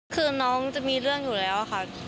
คือน้องจะมีเรื่องอยู่แล้วค่ะ